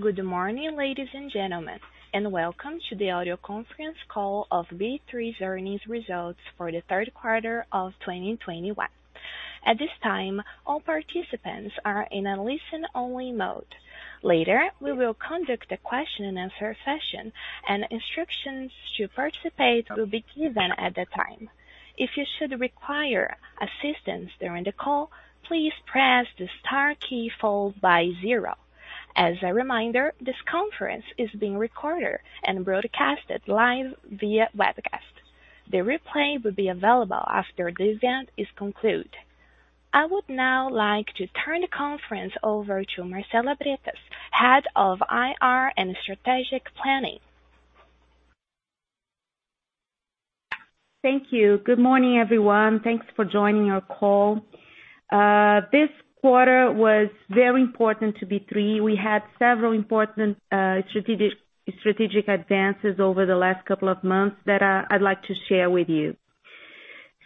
Good morning, ladies and gentlemen, and welcome to the audio conference call of B3's earnings results for the third quarter of 2021. At this time, all participants are in a listen-only mode. Later, we will conduct a question-and-answer session and instructions to participate will be given at the time. If you should require assistance during the call, please press the star key followed by zero. As a reminder, this conference is being recorded and broadcasted live via webcast. The replay will be available after the event is concluded. I would now like to turn the conference over to Marcela Bretas, Head of IR and Strategic Planning. Thank you. Good morning, everyone. Thanks for joining our call. This quarter was very important to B3. We had several important strategic advances over the last couple of months that I'd like to share with you.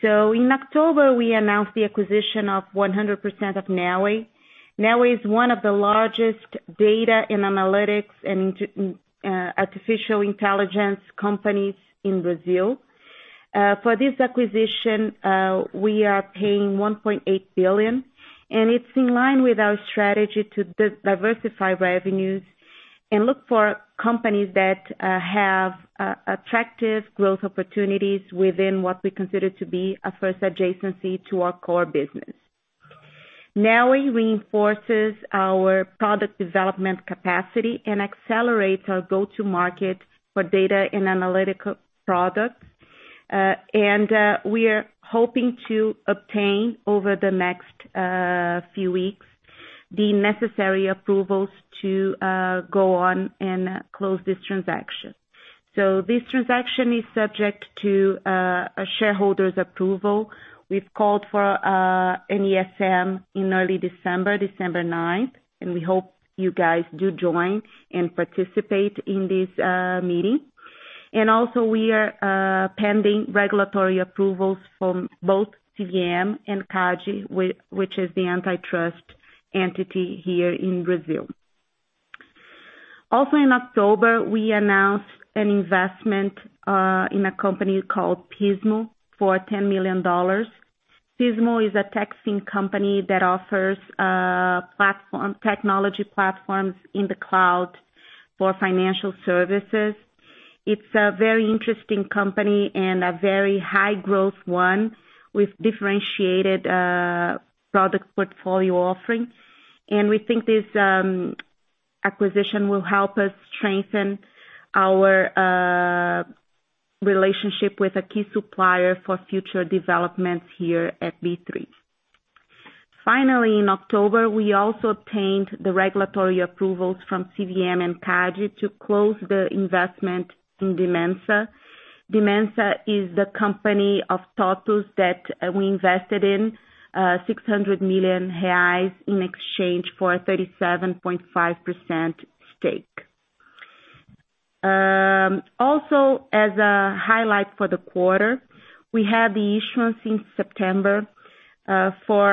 In October, we announced the acquisition of 100% of Neoway. Neoway is one of the largest Data & Analytics and Artificial Intelligence companies in Brazil. For this acquisition, we are paying 1.8 billion, and it's in line with our strategy to diversify revenues and look for companies that have attractive growth opportunities within what we consider to be a first adjacency to our core business. Neoway reinforces our product development capacity and accelerates our go-to-market for Data and Analytical products. We are hoping to obtain over the next few weeks the necessary approvals to go on and close this transaction. This transaction is subject to a shareholder's approval. We've called for an EGM in early December 9, and we hope you guys do join and participate in this meeting. We are pending regulatory approvals from both CVM and Cade, which is the antitrust entity here in Brazil. In October, we announced an investment in a company called Pismo for $10 million. Pismo is a fintech company that offers technology platforms in the cloud for financial services. It's a very interesting company and a very high-growth one with differentiated product portfolio offering. We think this acquisition will help us strengthen our relationship with a key supplier for future developments here at B3. Finally, in October, we also obtained the regulatory approvals from CVM and Cade to close the investment in Dimensa. Dimensa is the company of TOTVS that we invested in 600 million reais in exchange for a 37.5% stake. Also as a highlight for the quarter, we had the issuance in September for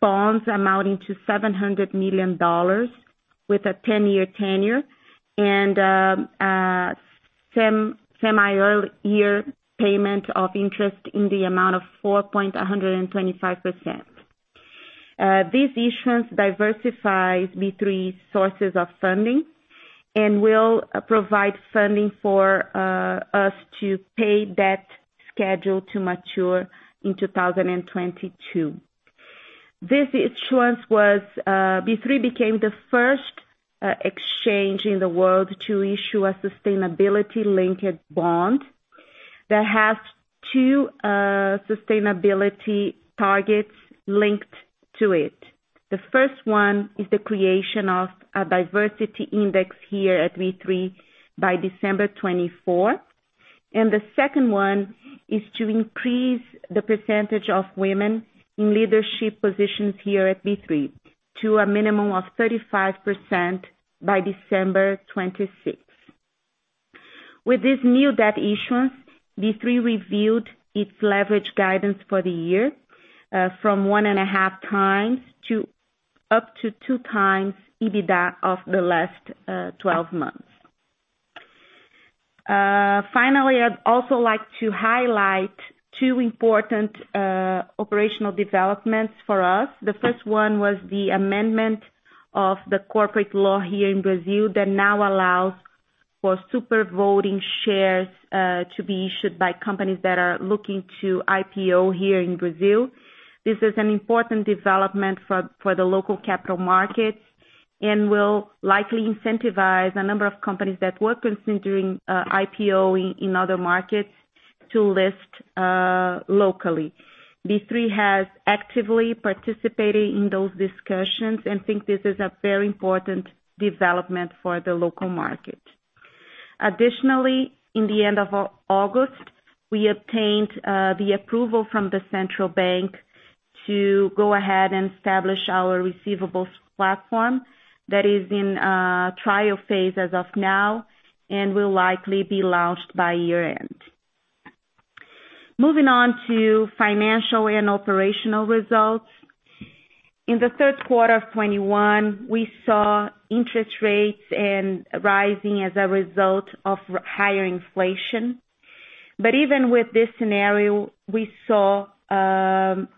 bonds amounting to $700 million with a 10-year tenure and semi-annual payment of interest in the amount of 4.125%. This issuance diversifies B3 sources of funding and will provide funding for us to pay debt scheduled to mature in 2022. B3 became the first exchange in the world to issue a sustainability-linked bond that has two sustainability targets linked to it. The first one is the creation of a Diversity Index here at B3 by December 24th, and the second one is to increase the percentage of women in leadership positions here at B3 to a minimum of 35% by December 26th. With this new debt issuance, B3 reviewed its leverage guidance for the year from 1.5x to up to 2x EBITDA of the last 12 months. Finally, I'd also like to highlight two important operational developments for us. The first one was the amendment of the corporate law here in Brazil that now allows for super-voting shares to be issued by companies that are looking to IPO here in Brazil. This is an important development for the local capital markets and will likely incentivize a number of companies that were considering IPO in other markets to list locally. B3 has actively participated in those discussions and think this is a very important development for the local market. Additionally, in the end of August, we obtained the approval from the central bank to go ahead and establish our receivables platform that is in trial phase as of now and will likely be launched by year-end. Moving on to financial and operational results. In the third quarter of 2021, we saw interest rates rising as a result of higher inflation. Even with this scenario, we saw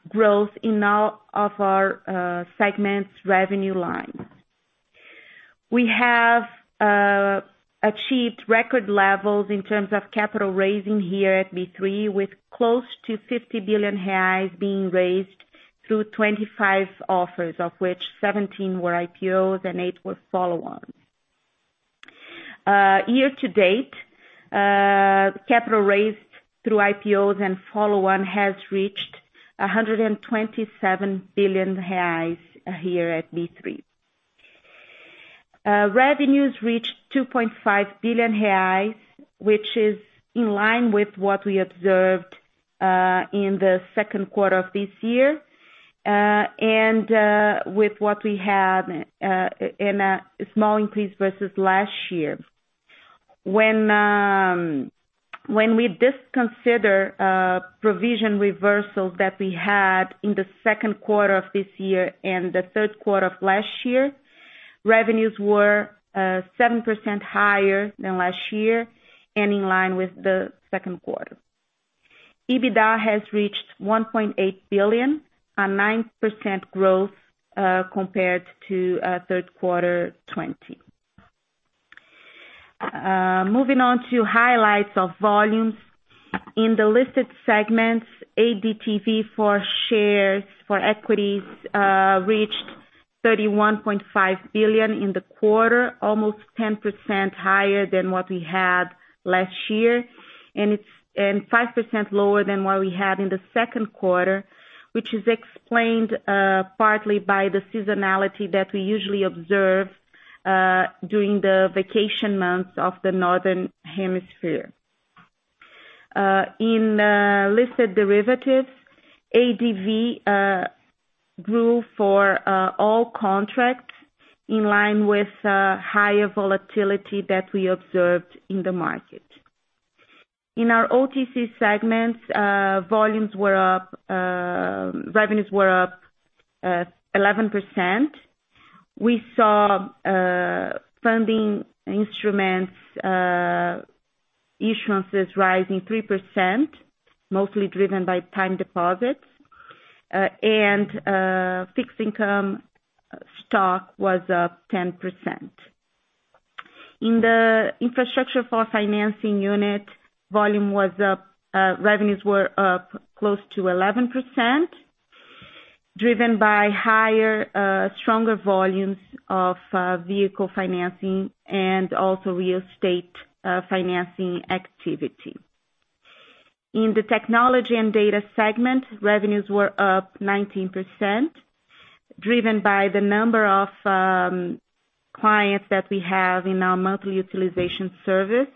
growth in all of our segments revenue line. We have achieved record levels in terms of capital raising here at B3, with close to 50 billion reais being raised through 25 offers, of which 17 were IPOs and 8 were follow-ons. Year to date, capital raised through IPOs and follow-on has reached 127 billion reais here at B3. Revenues reached 2.5 billion reais, which is in line with what we observed in the second quarter of this year, and with what we had in a small increase versus last year. When we disconsider provision reversals that we had in the second quarter of this year and the third quarter of last year, revenues were 7% higher than last year and in line with the second quarter. EBITDA has reached 1.8 billion, a 9% growth compared to third quarter 2020. Moving on to highlights of volumes. In the Listed segments, ADTV for shares for equities reached 31.5 billion in the quarter, almost 10% higher than what we had last year, and 5% lower than what we had in the second quarter, which is explained partly by the seasonality that we usually observe during the vacation months of the northern hemisphere. In Listed Derivatives, ADV grew for all contracts in line with higher volatility that we observed in the market. In our OTC segments, volumes were up, revenues were up 11%. We saw funding instruments issuances rising 3%, mostly driven by time deposits and fixed income stock was up 10%. In the Infrastructure for Financing unit, volume was up, revenues were up close to 11%, driven by higher stronger volumes of Vehicle Financing and also Real Estate Financing activity. In the Technology and Data segment, revenues were up 19%, driven by the number of clients that we have in our monthly utilization service,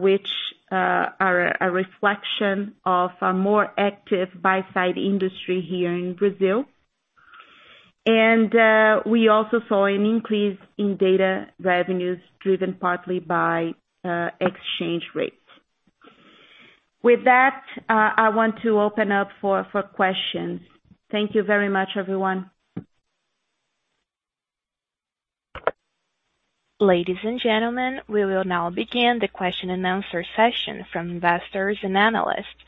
which are a reflection of a more active buy-side industry here in Brazil. We also saw an increase in data revenues driven partly by exchange rates. With that, I want to open up for questions. Thank you very much, everyone. Ladies and gentlemen, we will now begin the question and answer session from investors and analysts.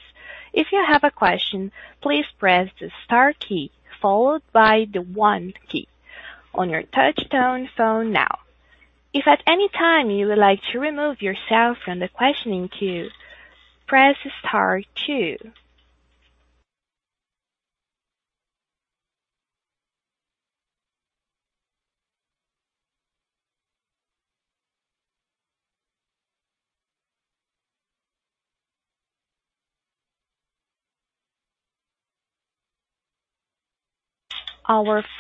Our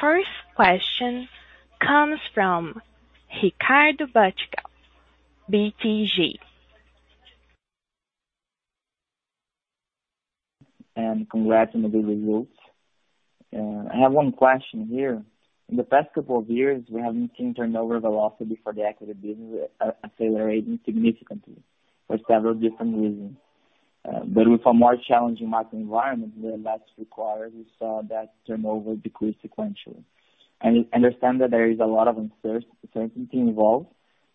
first question comes from Ricardo Buchpiguel, BTG. Congrats on the good results. I have one question here. In the past couple of years, we haven't seen turnover velocity for the Equity business accelerating significantly for several different reasons. With a more challenging market environment in the last two quarters, we saw that turnover decrease sequentially. I understand that there is a lot of uncertainty involved,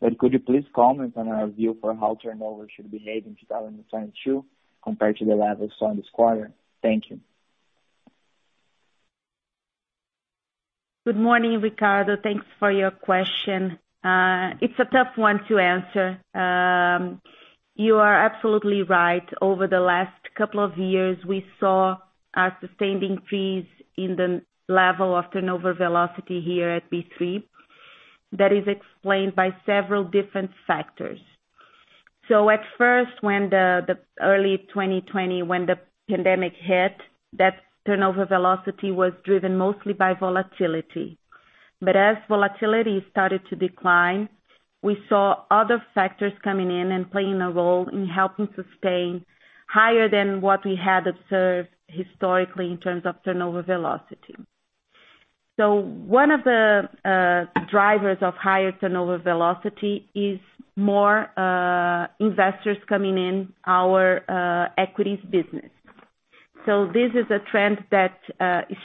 but could you please comment on our view for how turnover should behave in 2022 compared to the levels we saw in this quarter? Thank you. Good morning, Ricardo. Thanks for your question. It's a tough one to answer. You are absolutely right. Over the last couple of years, we saw a sustained increase in the level of turnover velocity here at B3. That is explained by several different factors. At first, when the early 2020 pandemic hit, that turnover velocity was driven mostly by volatility. But as volatility started to decline, we saw other factors coming in and playing a role in helping sustain higher than what we had observed historically in terms of turnover velocity. One of the drivers of higher turnover velocity is more investors coming in our Equities business. This is a trend that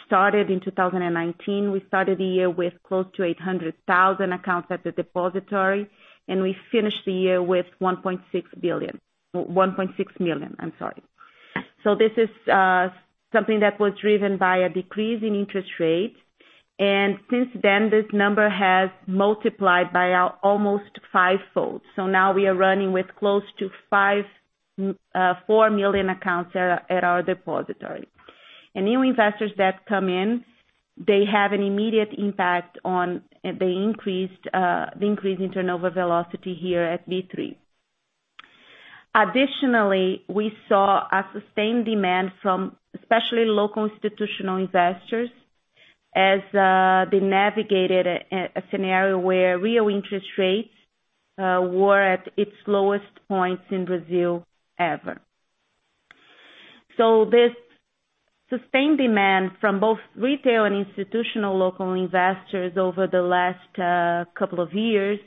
started in 2019. We started the year with close to 800,000 accounts at the depository, and we finished the year with 1.6 billion. 1.6 million, I'm sorry. This is something that was driven by a decrease in interest rates. Since then, this number has multiplied by almost fivefold. Now we are running with close to 4 million accounts at our depository. New investors that come in, they have an immediate impact on the increase in turnover velocity here at B3. Additionally, we saw a sustained demand from especially local institutional investors as they navigated a scenario where real interest rates were at its lowest points in Brazil ever. This sustained demand from both retail and institutional local investors over the last couple of years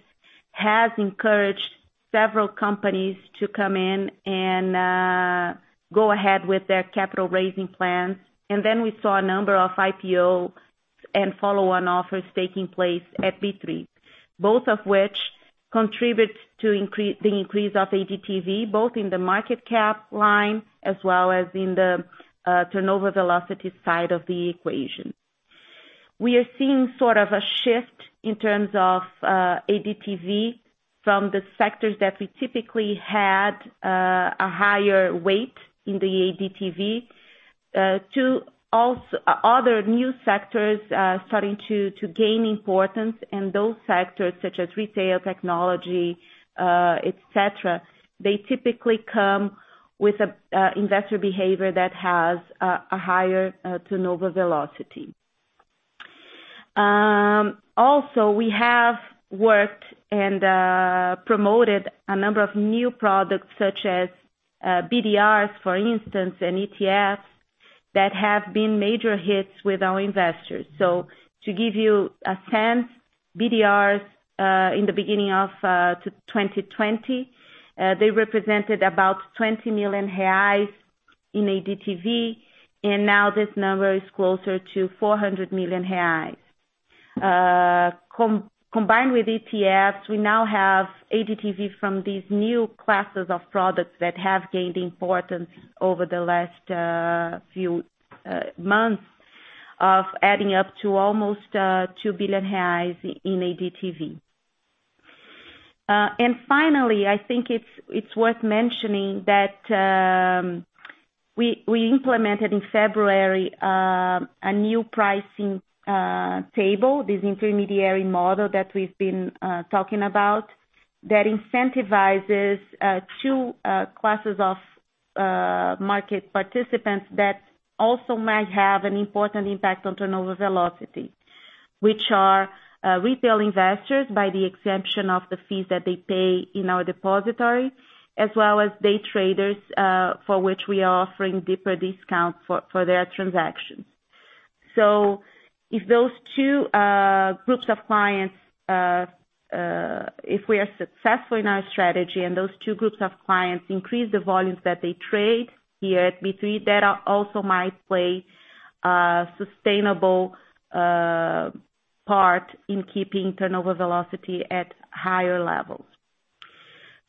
has encouraged several companies to come in and go ahead with their capital raising plans. We saw a number of IPO and follow-on offers taking place at B3, both of which contribute to the increase of ADTV, both in the market cap line as well as in the turnover velocity side of the equation. We are seeing sort of a shift in terms of ADTV from the sectors that we typically had a higher weight in the ADTV to other new sectors starting to gain importance in those sectors such as Retail, Technology, et cetera. They typically come with a investor behavior that has a higher turnover velocity. Also we have worked and promoted a number of new products such as BDRs, for instance, and ETFs, that have been major hits with our investors. To give you a sense, BDRs in the beginning of 2020 they represented about 20 million reais in ADTV, and now this number is closer to 400 million reais. Combined with ETFs, we now have ADTV from these new classes of products that have gained importance over the last few months, adding up to almost 2 billion reais in ADTV. Finally, I think it's worth mentioning that we implemented in February a new pricing table, this intermediary model that we've been talking about, that incentivizes two classes of market participants that also might have an important impact on turnover velocity, which are retail investors by the exemption of the fees that they pay in our depository, as well as day traders for which we are offering deeper discounts for their transactions. If those two groups of clients if we are successful in our strategy and those two groups of clients increase the volumes that they trade here at B3, that also might play a sustainable part in keeping turnover velocity at higher levels.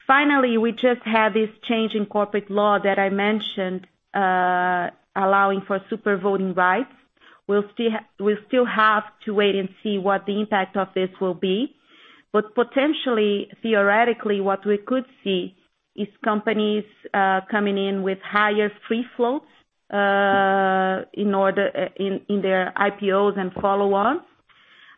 Finally, we just had this change in corporate law that I mentioned, allowing for super voting rights. We'll still have to wait and see what the impact of this will be. Potentially, theoretically, what we could see is companies coming in with higher free floats in their IPOs and follow-ons,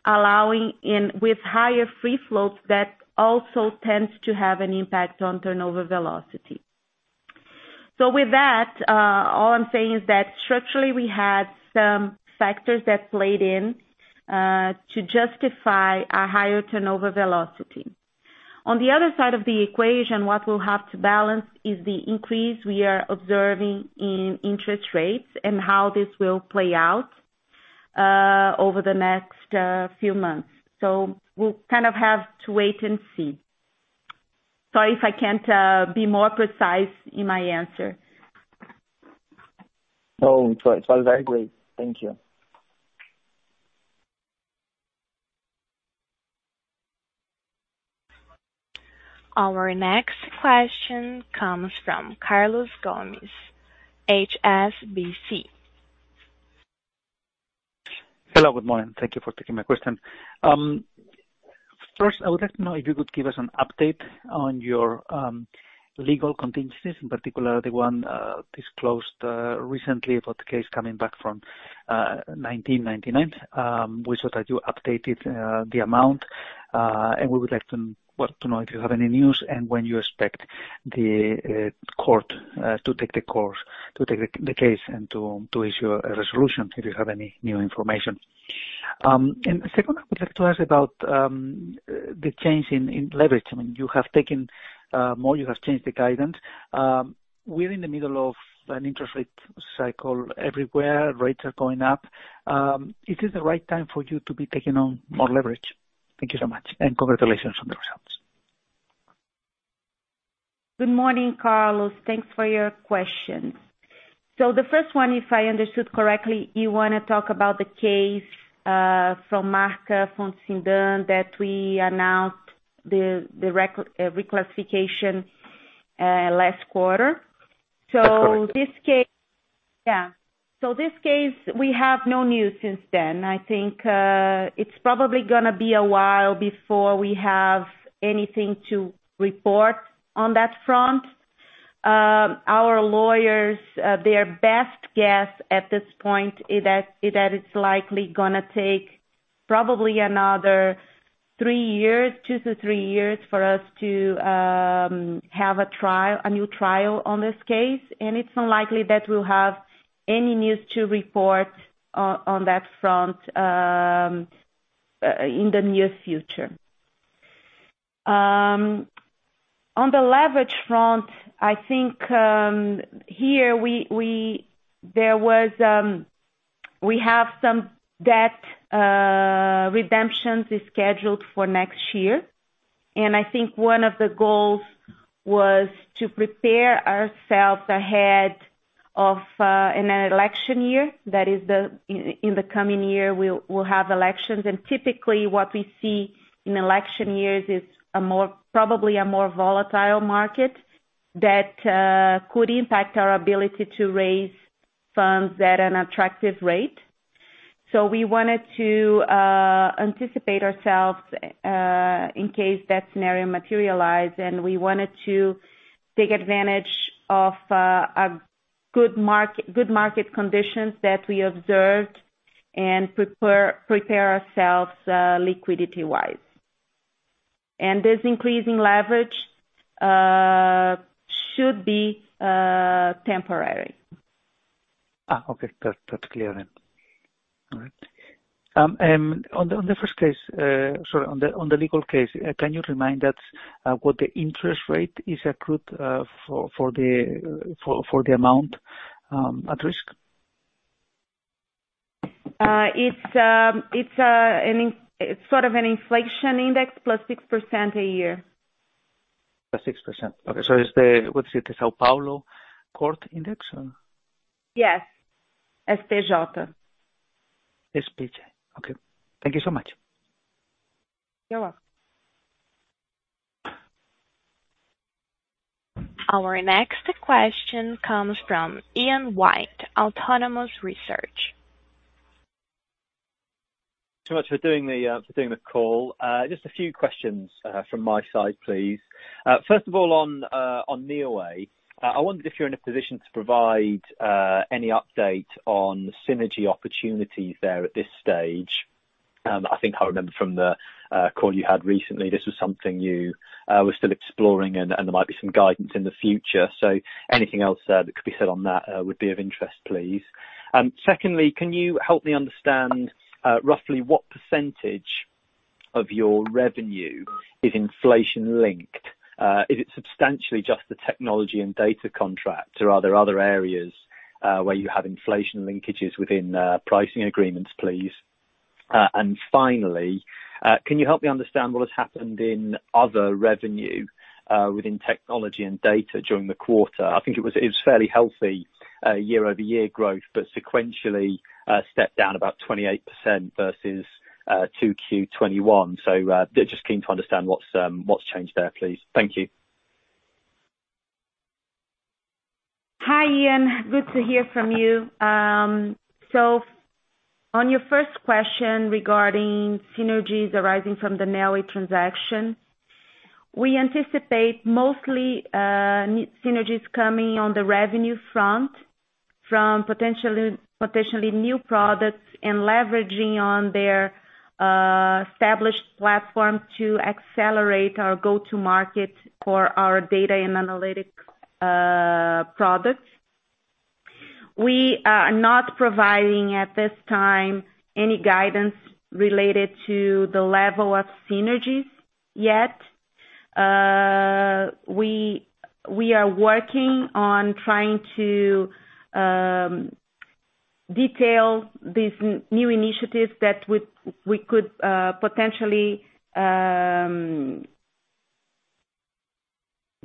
along with higher free floats that also tends to have an impact on turnover velocity. With that, all I'm saying is that structurally, we had some factors that played in to justify a higher turnover velocity. On the other side of the equation, what we'll have to balance is the increase we are observing in interest rates and how this will play out over the next few months. We'll kind of have to wait and see. Sorry if I can't be more precise in my answer. No, it was very great. Thank you. Our next question comes from Carlos Gomez, HSBC. Hello, good morning. Thank you for taking my question. First, I would like to know if you could give us an update on your legal contingencies, in particular the one disclosed recently about the case coming back from 1999. We saw that you updated the amount. We would like to know if you have any news and when you expect the court to take its course on the case and to issue a resolution, if you have any new information. The second I would like to ask about the change in leverage. I mean, you have taken more, you have changed the guidance. We're in the middle of an interest rate cycle everywhere, rates are going up. Is this the right time for you to be taking on more leverage? Thank you so much, and congratulations on the results. Good morning, Carlos. Thanks for your questions. The first one, if I understood correctly, you wanna talk about the case from Marka/FonteCindam that we announced the reclassification last quarter. That's correct. This case, we have no news since then. I think it's probably gonna be a while before we have anything to report on that front. Our lawyers their best guess at this point is that it's likely gonna take probably another three years, two to three years for us to have a trial, a new trial on this case. It's unlikely that we'll have any news to report on that front in the near future. On the leverage front, I think we have some debt redemptions is scheduled for next year. I think one of the goals was to prepare ourselves ahead of in an election year. That is, in the coming year, we'll have elections. Typically, what we see in election years is a more, probably a more volatile market that could impact our ability to raise funds at an attractive rate. We wanted to anticipate ourselves in case that scenario materialize, and we wanted to take advantage of a good market conditions that we observed and prepare ourselves liquidity-wise. This increasing leverage should be temporary. Okay. That's clear then. All right. On the first case, sorry, on the legal case, can you remind what the interest rate is accrued for the amount at risk? It's sort of an inflation index plus 6% a year. Plus 6%. Okay. What is it, the São Paulo Stock Index? Or... Yes. STJ. STJ. Okay. Thank you so much. You're welcome. Our next question comes from Ian White, Autonomous Research. Much for doing the call. Just a few questions from my side, please. First of all, on Neoway, I wondered if you're in a position to provide any update on synergy opportunities there at this stage. I think I remember from the call you had recently, this was something you were still exploring and there might be some guidance in the future. Anything else that could be said on that would be of interest, please. Secondly, can you help me understand roughly what percentage of your revenue is inflation-linked? Is it substantially just the technology and data contracts, or are there other areas where you have inflation linkages within the pricing agreements, please? Can you help me understand what has happened in other revenue within technology and data during the quarter? I think it was fairly healthy year-over-year growth, but sequentially stepped down about 28% versus 2Q 2021. Just keen to understand what's changed there, please. Thank you. Hi, Ian. Good to hear from you. On your first question regarding synergies arising from the Neoway transaction, we anticipate mostly synergies coming on the revenue front from potentially new products and leveraging on their established platform to accelerate our go-to market for our Data & Analytics products. We are not providing, at this time, any guidance related to the level of synergies yet. We are working on trying to detail these new initiatives that we could potentially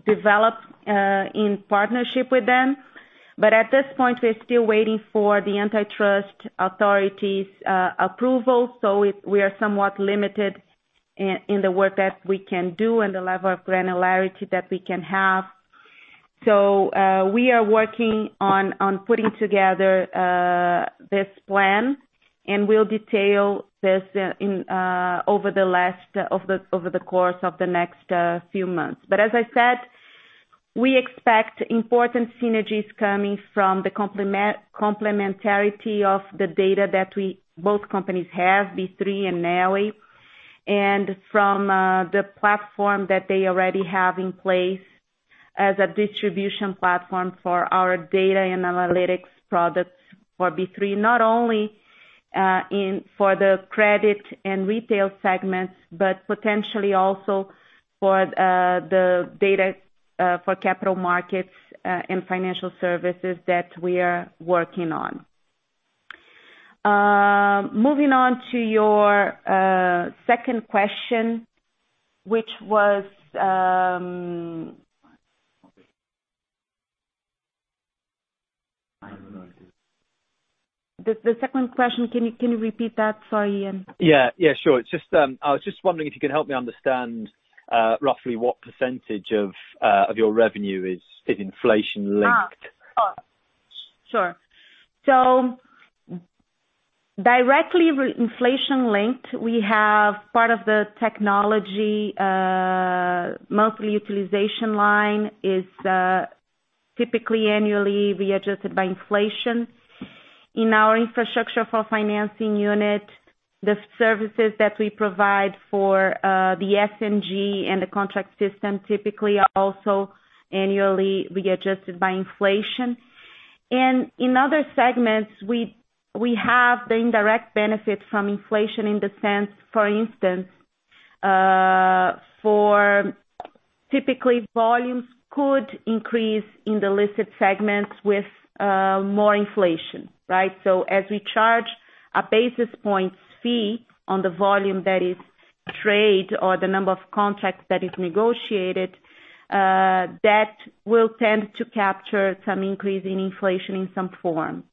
develop in partnership with them. At this point, we're still waiting for the antitrust authority's approval, so we are somewhat limited in the work that we can do and the level of granularity that we can have. We are working on putting together this plan, and we'll detail this over the course of the next few months. As I said, we expect important synergies coming from the complementarity of the data that both companies have, B3 and Neoway, and from the platform that they already have in place as a distribution platform for our Data & Analyticss products for B3. Not only in the Credit and Retail segments, but potentially also for the data for capital markets and financial services that we are working on. Moving on to your second question, which was... The second question, can you repeat that? Sorry, Ian. Yeah. Yeah, sure. It's just, I was just wondering if you can help me understand, roughly what percentage of your revenue is inflation-linked? Directly, inflation-linked, we have part of the technology monthly utilization line is typically annually readjusted by inflation. In our infrastructure for financing unit, the services that we provide for the SNG and the contract system typically are also annually readjusted by inflation. In other segments, we have the indirect benefit from inflation in the sense, for instance, typically volumes could increase in the listed segments with more inflation, right. As we charge a basis points fee on the volume that is traded or the number of contracts that is negotiated, that will tend to capture some increase in inflation in some form.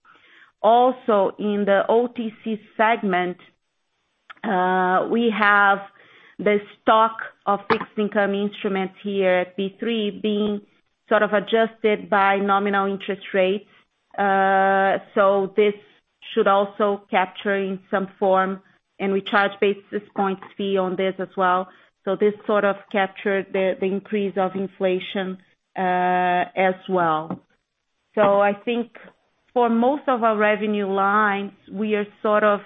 In the OTC segment, we have the stock of fixed income instruments here at B3 being adjusted by nominal interest rates. This should also capture in some form, and we charge basis points fee on this as well. This sort of capture the increase of inflation as well. I think for most of our revenue lines, we are sort of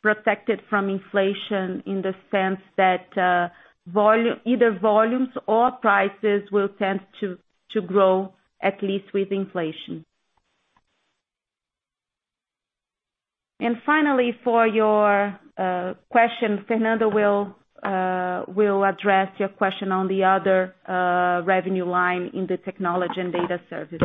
protected from inflation in the sense that volumes or prices will tend to grow, at least with inflation. Finally, for your question, Fernando will address your question on the other revenue line in the Technology and Data services.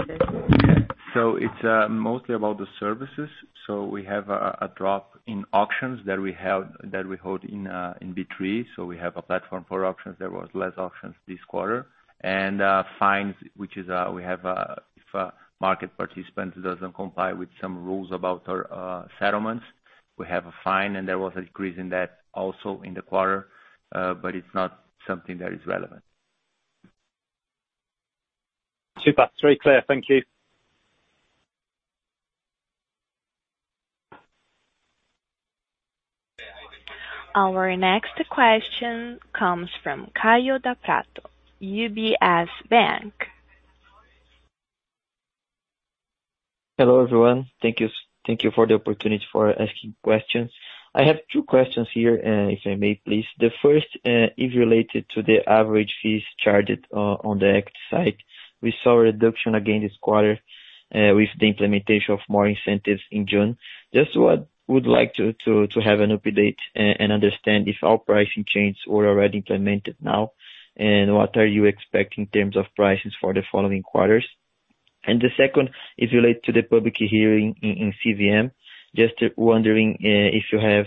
It's mostly about the services. We have a drop in auctions that we hold in B3. We have a platform for auctions. There was less auctions this quarter. Fines, which is we have if a market participant doesn't comply with some rules about our settlements, we have a fine and there was a decrease in that also in the quarter. It's not something that is relevant. Super. Very clear. Thank you. Our next question comes from Kaio Prato, UBS. Hello, everyone. Thank you for the opportunity for asking questions. I have two questions here, if I may, please. The first is related to the average fees charged on the Exchange. We saw a reduction again this quarter, with the implementation of more incentives in June. Just would like to have an update and understand if all pricing changes were already implemented now. What are you expecting in terms of prices for the following quarters? The second is related to the public hearing in CVM. Just wondering, if you have,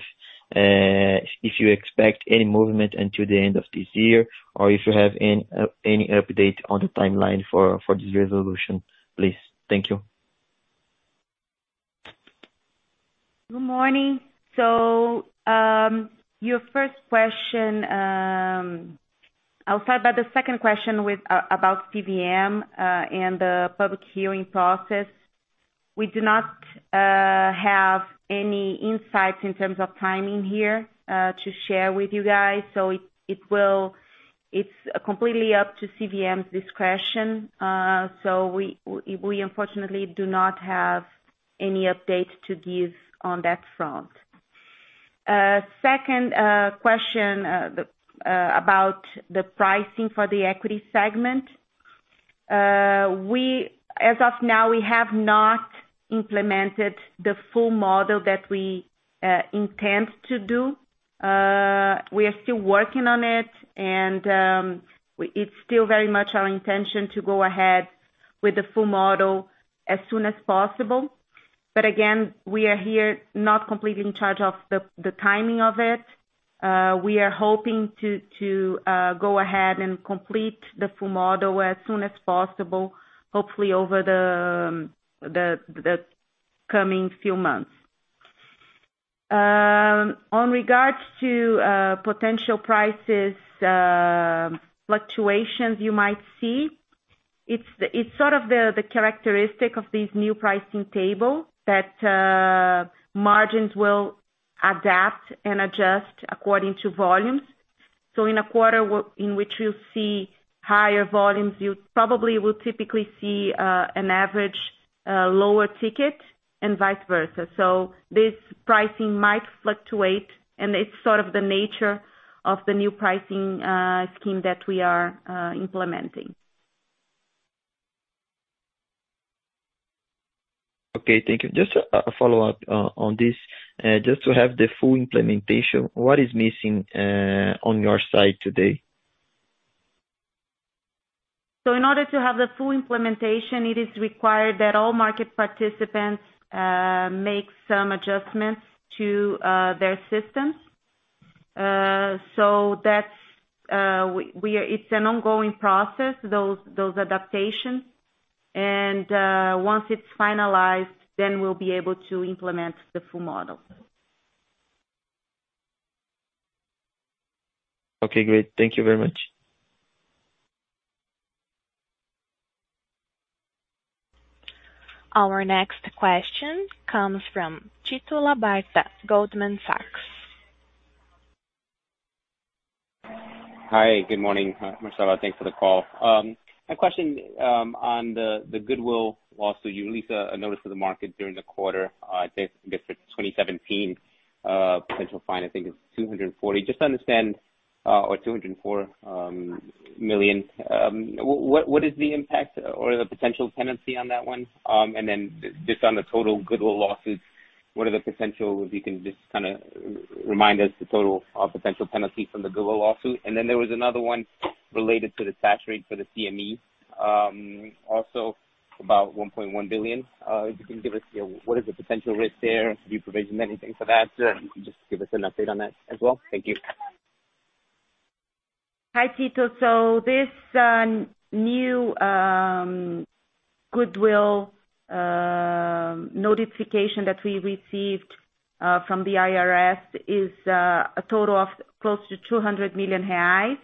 if you expect any movement until the end of this year or if you have any update on the timeline for this resolution, please. Thank you. Good morning. Your first question, I'll start by the second question about CVM and the public hearing process. We do not have any insights in terms of timing here to share with you guys. It's completely up to CVM's discretion. Second question about the pricing for the Equity segment. As of now, we have not implemented the full model that we intend to do. We are still working on it, and it's still very much our intention to go ahead with the full model as soon as possible. Again, we are here not completely in charge of the timing of it. We are hoping to go ahead and complete the full model as soon as possible, hopefully over the coming few months. With regards to potential price fluctuations you might see, it's sort of the characteristic of this new pricing table that margins will adapt and adjust according to volumes. In a quarter in which you'll see higher volumes, you probably will typically see an average lower ticket and vice versa. This pricing might fluctuate and it's sort of the nature of the new pricing scheme that we are implementing. Okay, thank you. Just a follow-up on this. Just to have the full implementation, what is missing on your side today? In order to have the full implementation, it is required that all market participants make some adjustments to their systems. That's an ongoing process, those adaptations. Once it's finalized, then we'll be able to implement the full model. Okay, great. Thank you very much. Our next question comes from Tito Labarta, Goldman Sachs. Hi, good morning, Marcela. Thanks for the call. My question on the goodwill lawsuit, you released a notice to the market during the quarter, I think this is 2017, potential fine, I think it's 240 million. Just to understand, or 204 million. What is the impact or the potential penalty on that one? Just on the total goodwill lawsuits, what are the potential, if you can just kind of remind us the total potential penalty from the goodwill lawsuit. There was another one related to the tax rate for the CME, also about 1.1 billion. If you can give us, you know, what is the potential risk there? Have you provisioned anything for that? Just give us an update on that as well. Thank you. Hi, Tito. This new goodwill notification that we received from the Receita Federal is a total of close to 200 million reais.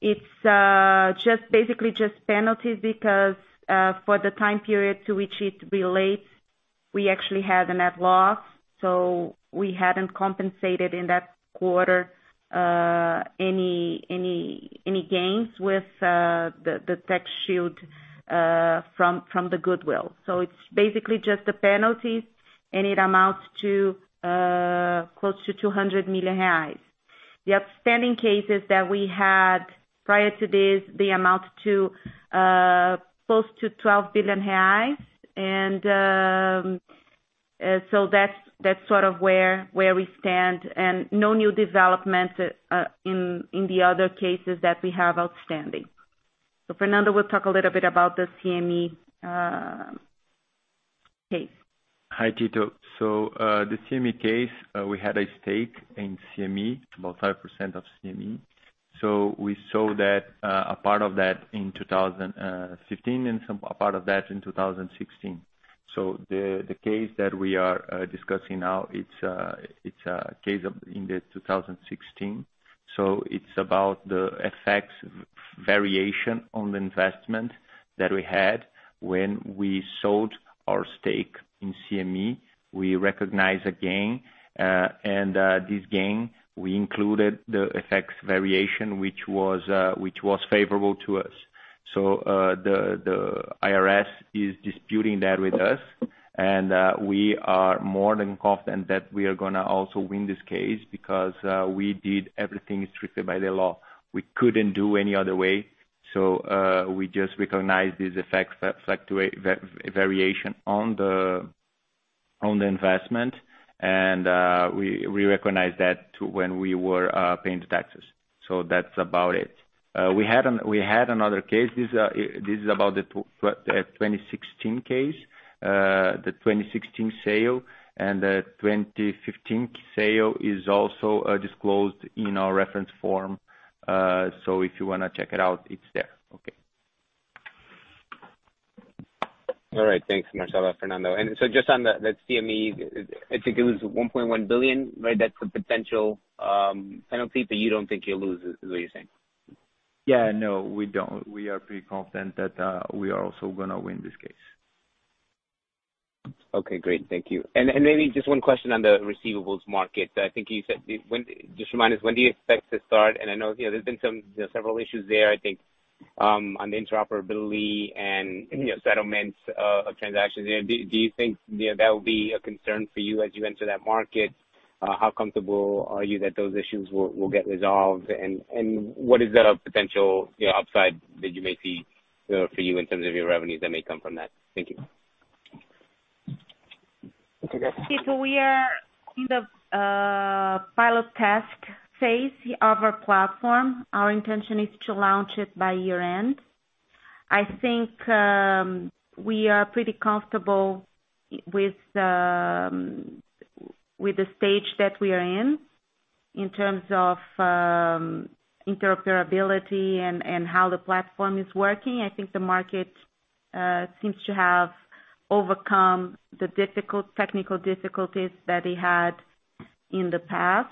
It's basically just penalties because for the time period to which it relates, we actually had a net loss, so we hadn't compensated in that quarter any gains with the tax shield from the goodwill. It's basically just the penalties and it amounts to close to 200 million reais. The outstanding cases that we had prior to this, they amount to close to 12 billion reais. That's sort of where we stand and no new developments in the other cases that we have outstanding. Fernando will talk a little bit about the CME case. Hi, Tito Labarta. The CME case, we had a stake in CME, it's about 5% of CME. We sold a part of that in 2015 and a part of that in 2016. The case that we are discussing now, it's a case in 2016. It's about the FX variation on the investment that we had when we sold our stake in CME. We recognized a gain, and this gain, we included the FX variation, which was favorable to us. The IRS is disputing that with us, and we are more than confident that we are gonna also win this case because we did everything strictly by the law. We couldn't do any other way. We just recognized this FX variation on the investment. We recognized that when we were paying the taxes. That's about it. We had another case. This is about the 2016 case. The 2016 sale and the 2015 sale is also disclosed in our reference form. If you wanna check it out, it's there. Okay. All right. Thanks, Marcela, Fernando. Just on that CME, I think it was 1.1 billion, right? That's the potential penalty that you don't think you'll lose, is what you're saying. Yeah, no, we don't. We are pretty confident that we are also gonna win this case. Okay, great. Thank you. Maybe just one question on the receivables market. I think you said. Just remind us, when do you expect to start? I know, you know, there's been some, you know, several issues there, I think, on the interoperability and, you know, settlements, of transactions. Do you think, you know, that'll be a concern for you as you enter that market? How comfortable are you that those issues will get resolved? What is the potential, you know, upside that you may see, for you in terms of your revenues that may come from that? Thank you. Tito, we are in the pilot test phase of our platform. Our intention is to launch it by year-end. I think we are pretty comfortable with the stage that we are in. In terms of interoperability and how the platform is working, I think the market seems to have overcome the technical difficulties that it had in the past.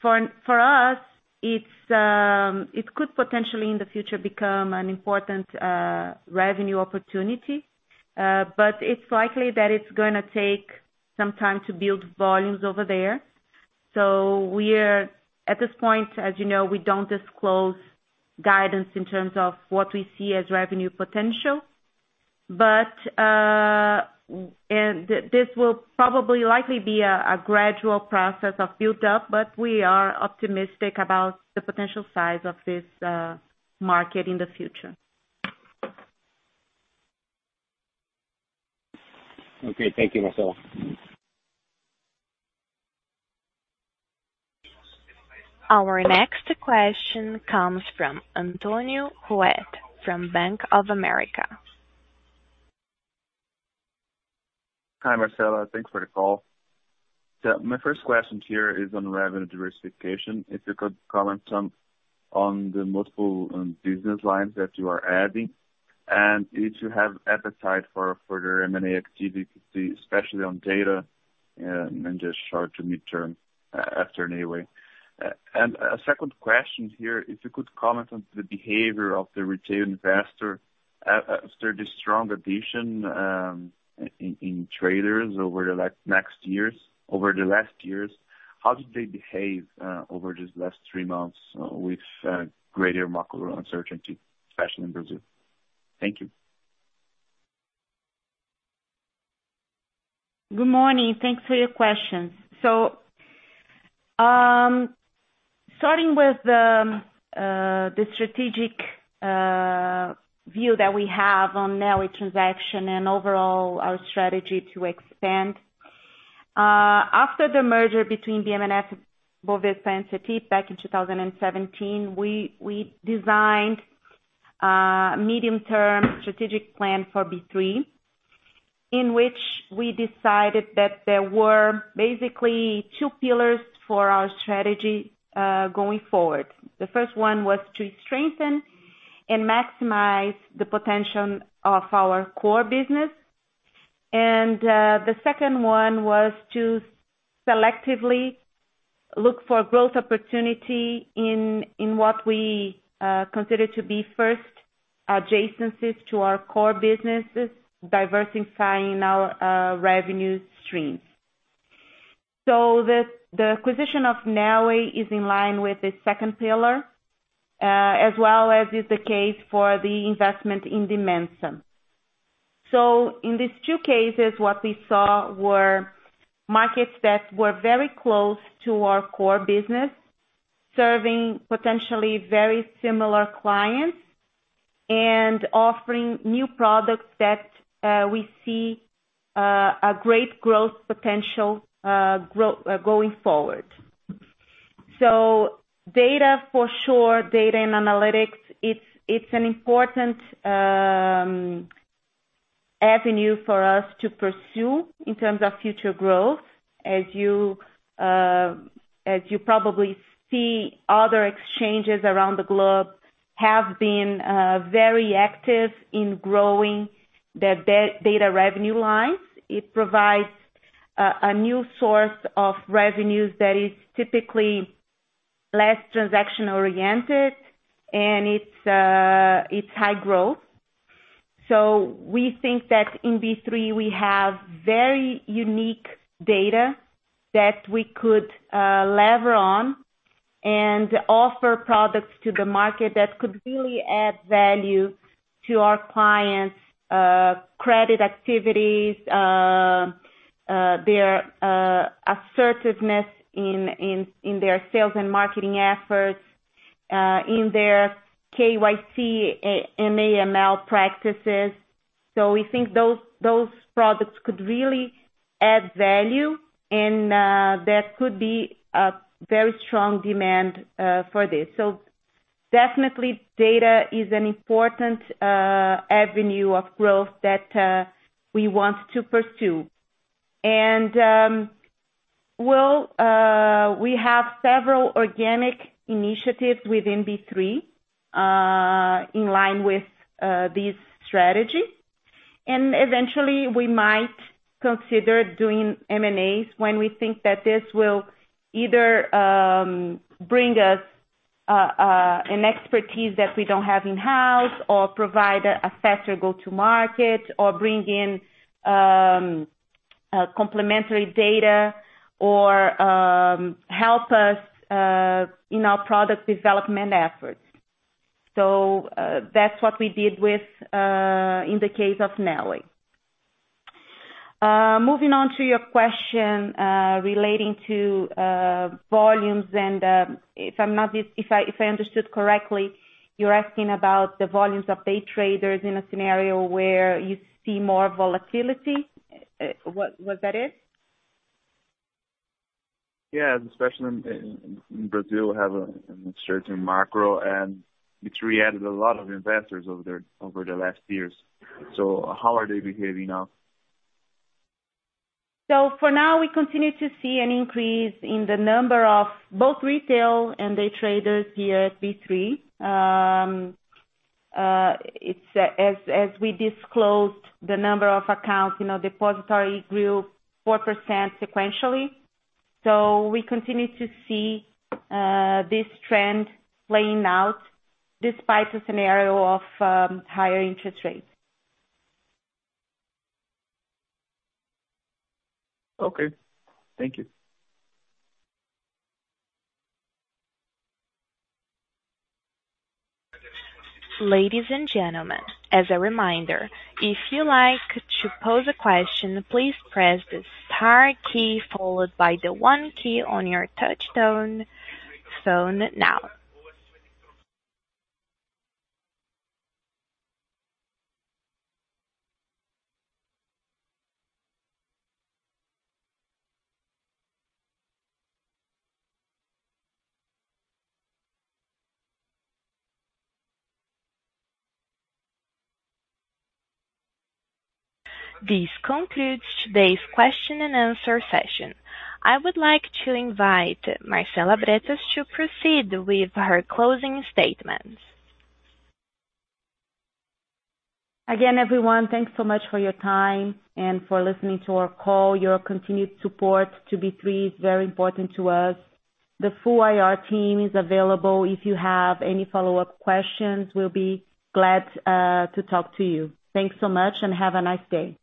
For us, it could potentially in the future become an important revenue opportunity. It's likely that it's gonna take some time to build volumes over there. At this point, as you know, we don't disclose guidance in terms of what we see as revenue potential. This will probably be a gradual process of build-up, but we are optimistic about the potential size of this market in the future. Okay. Thank you, Marcela. Our next question comes from Antonio Ruette from Bank of America. Hi, Marcela. Thanks for the call. My first question here is on revenue diversification. If you could comment on the multiple business lines that you are adding, and if you have appetite for further M&A activity, especially on Data, in the short to mid term after Neoway. A second question here. If you could comment on the behavior of the retail investor after the strong addition in traders over the last years. How did they behave over these last three months with greater macro uncertainty, especially in Brazil? Thank you. Good morning. Thanks for your questions. Starting with the strategic view that we have on Neoway transaction and overall our strategy to expand. After the merger between BM&FBOVESPA and Cetip back in 2017, we designed medium-term strategic plan for B3, in which we decided that there were basically two pillars for our strategy going forward. The first one was to strengthen and maximize the potential of our core business. The second one was to selectively look for growth opportunity in what we consider to be first adjacencies to our core businesses, diversifying our revenue streams. The acquisition of Neoway is in line with the second pillar, as well as is the case for the investment in Dimensa. In these two cases, what we saw were markets that were very close to our core business, serving potentially very similar clients and offering new products that we see a great growth potential going forward. Data for sure, Data & Analyticss, it's an important avenue for us to pursue in terms of future growth. As you probably see other Exchanges around the globe have been very active in growing their data revenue lines. It provides a new source of revenues that is typically less transaction-oriented, and it's high growth. We think that in B3 we have very unique data that we could leverage and offer products to the market that could really add value to our clients' credit activities, their assertiveness in their sales and marketing efforts, in their KYC, AML practices. We think those products could really add value and there could be a very strong demand for this. Definitely Data is an important avenue of growth that we want to pursue. We have several organic initiatives within B3 in line with these strategies. Eventually we might consider doing M&As when we think that this will either bring us an expertise that we don't have in-house or provide a faster go-to-market or bring in complementary data or help us in our product development efforts. That's what we did with, in the case of Neoway. Moving on to your question relating to volumes and if I understood correctly, you're asking about the volumes of day traders in a scenario where you see more volatility. Was that it? Yeah. Especially in Brazil, we have an uncertain macro, and it's really added a lot of investors over the last years. How are they behaving now? For now, we continue to see an increase in the number of both retail and day traders here at B3. It's as we disclosed the number of accounts, you know, depository grew 4% sequentially. We continue to see this trend playing out despite the scenario of higher interest rates. Okay. Thank you. Ladies and gentlemen, as a reminder, if you like to pose a question, please press the star key followed by the one key on your touch-tone phone now. This concludes today's question-and-answer session. I would like to invite Marcela Bretas to proceed with her closing statements. Again, everyone, thanks so much for your time and for listening to our call. Your continued support to B3 is very important to us. The full IR team is available if you have any follow-up questions. We'll be glad to talk to you. Thanks so much and have a nice day.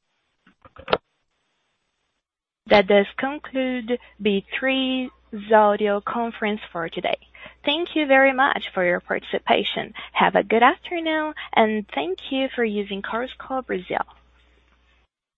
That does conclude B3's audio conference for today. Thank you very much for your participation. Have a good afternoon, and thank you for using Chorus Call Brazil.